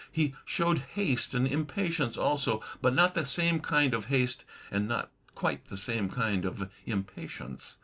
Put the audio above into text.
He showed haste and impatience also, but not the same kind of haste and not quite the same kind of impatience.